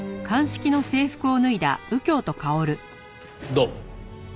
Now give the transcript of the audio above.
どうも。